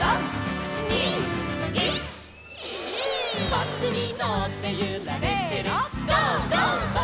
「バスにのってゆられてる」せの！